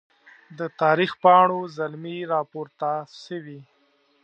د تاریخ پاڼو زلمي راپورته سوي